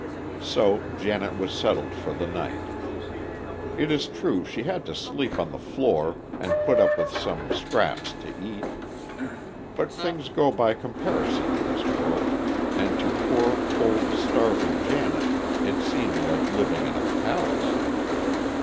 So Janet was settled for the night. It is true she had to sleep on the floor and put up with some scraps to eat. But things go by comparison in this world, and to poor, cold, starving Janet it seemed like living in a palace.